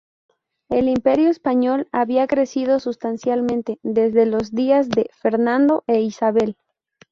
El Imperio español había crecido sustancialmente desde los días de Fernando e Isabel.